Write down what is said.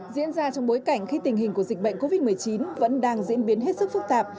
diễn ra trong bối cảnh khi tình hình của dịch bệnh covid một mươi chín vẫn đang diễn biến hết sức phức tạp